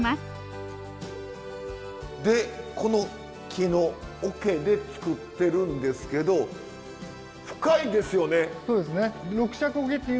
でこの木の桶で作ってるんですけど深いですよね。